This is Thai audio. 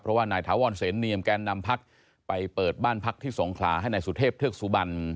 เพราะว่านายถาวรเสนเนียมแกนนำพักไปเปิดบ้านพักที่สงขลาให้นายสุเทพเทือกสุบัน